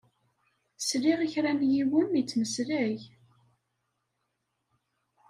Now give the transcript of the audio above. Sliɣ i kra n yiwen ittmeslay.